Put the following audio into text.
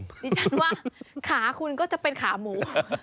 ดิฉันว่าขาคุณก็จะเป็นขาหมู